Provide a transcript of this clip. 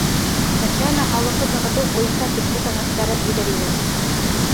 Беҙгә лә һаулыҡты нығытыу буйынса төплө кәңәштәрен бирер ине.